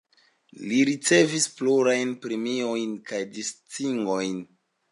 Li ricevis plurajn premiojn kaj distingojn.